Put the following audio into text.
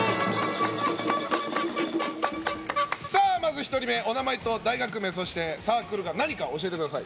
まず１人目、お名前と大学名そしてサークルが何かを教えてください。